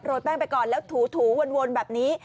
แป้งไปก่อนแล้วถูวนแบบนี้